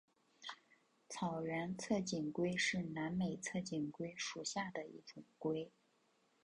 草原侧颈龟是南美侧颈龟属下的一种龟。